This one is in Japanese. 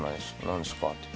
何ですか？」